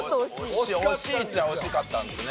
惜しいっちゃ惜しかったんですね